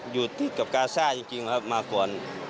อยู่ติดกับกราซ่าจริงมาก่อน